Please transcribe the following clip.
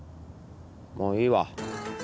「もういいわ」